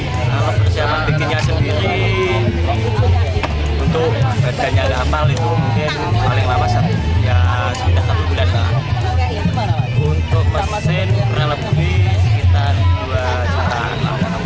untuk peserta kita akan berada di peralat bodi sekitar dua jutaan